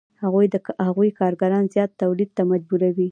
هغوی کارګران زیات تولید ته مجبوروي